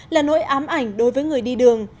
là nỗi ám ảnh đối với người đi đường